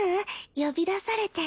呼び出されて。